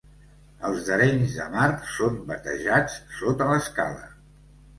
Els d'Arenys de Mar són batejats sota l'escala.